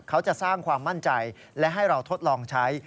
เขาจะสร้างความมั่นใจและให้เราทดลองใช้